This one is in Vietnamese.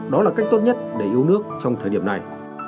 đó là cách tốt nhất để yêu nước trong thời điểm này